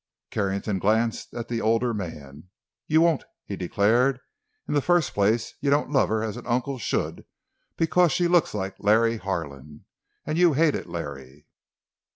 Carrington glared at the older man. "You won't," he declared. "In the first place, you don't love her as an uncle should because she looks like Larry Harlan—and you hated Larry.